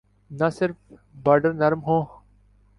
نہ صرف بارڈر نرم ہوں۔